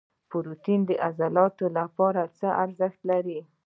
پروټین د عضلاتو لپاره څه ارزښت لري؟